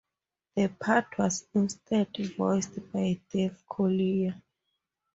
The part was instead voiced by Dave Coulier.